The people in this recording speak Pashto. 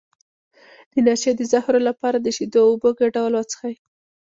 د نشې د زهرو لپاره د شیدو او اوبو ګډول وڅښئ